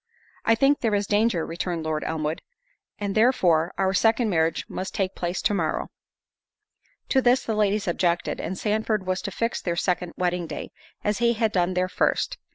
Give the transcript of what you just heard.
"I think there is danger," returned Lord Elmwood, "and therefore our second marriage must take place to morrow." To this the ladies objected, and Sandford was to fix their second wedding day, as he had done their first.